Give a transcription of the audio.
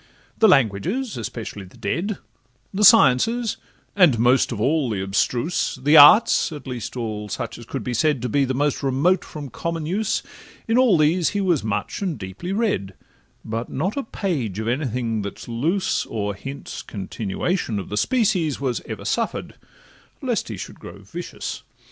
The languages, especially the dead, The sciences, and most of all the abstruse, The arts, at least all such as could be said To be the most remote from common use, In all these he was much and deeply read; But not a page of any thing that 's loose, Or hints continuation of the species, Was ever suffer'd, lest he should grow vicious.